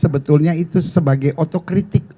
sebetulnya itu sebagai otokritik